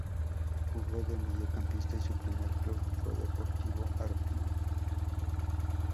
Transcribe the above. Jugó de mediocampista y su primer club fue Deportivo Armenio.